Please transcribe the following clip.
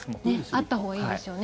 あったほうがいいんですよね。